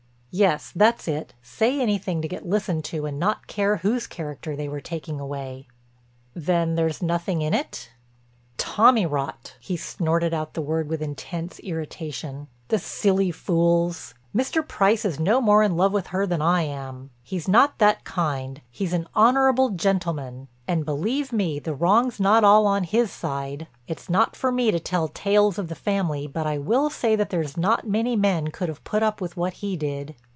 "Yes, that's it. Say anything to get listened to and not care whose character they were taking away." "Then there's nothing in it?" "Tommyrot!" he snorted out the word with intense irritation. "The silly fools! Mr. Price is no more in love with her than I am. He's not that kind; he's an honorable gentleman. And, believe me, the wrong's not all on his side. It's not for me to tell tales of the family, but I will say that there's not many men could have put up with what he did."